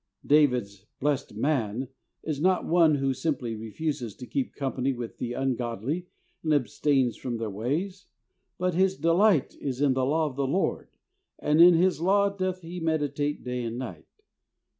David's "blessed man" is not one who simply refuses to keep company with the ungodly and abstains from their ways, "but his delight is in the law of the Lord and in His law doth he meditate day and night."